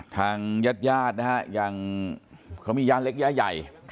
ทางญาติอย่างเขามียานเล็กใหญ่